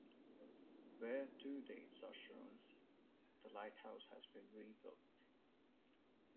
Where two dates are shown, the lighthouse has been rebuilt.